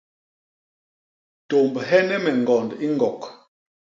Tômbhene me ñgond i ñgok.